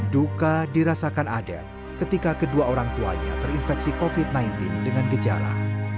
duka dirasakan adet ketika kedua orang tuanya terinfeksi covid sembilan belas dengan gejala